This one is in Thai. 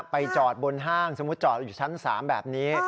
ไปจอดบนห้างสมมุติจอดอยู่ชั้น๓แบบนี้